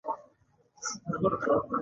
د څانګې په سر کښې ګل را ټوكېدلے دے۔